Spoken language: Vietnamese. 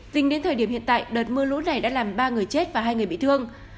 tính đến thời điểm hiện tại đợt mưa lũ này đã làm ba người chết và hai người bị thương